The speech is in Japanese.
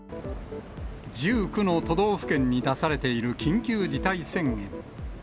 １９の都道府県に出されている緊急事態宣言。